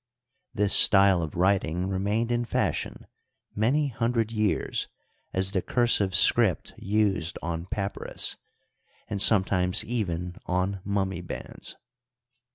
This style of writing remained in fashion many hundred years as the cursive script used on papyrus, and sometimes even on mummy bands.